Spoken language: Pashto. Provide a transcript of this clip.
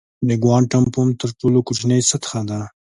د کوانټم فوم تر ټولو کوچنۍ سطحه ده.